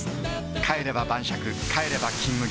帰れば晩酌帰れば「金麦」